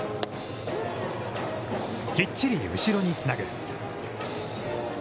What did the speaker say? きっちり後ろにつなぐ。